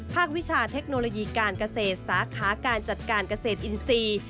วิชาเทคโนโลยีการเกษตรสาขาการจัดการเกษตรอินทรีย์